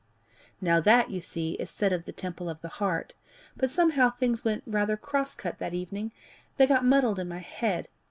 "Now that, you see, is said of the temple of the heart; but somehow things went rather cross cut that evening they got muddled in my head.